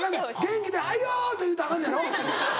元気で「はいよ！」って言うたらアカンのやろ。